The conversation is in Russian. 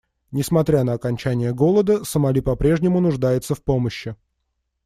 Несмотря на окончание голода, Сомали по-прежнему нуждается в помощи.